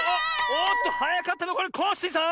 おっとはやかったのはこれコッシーさん！